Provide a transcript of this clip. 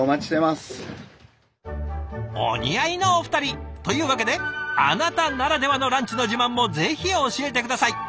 お似合いのお二人というわけであなたならではのランチの自慢もぜひ教えて下さい。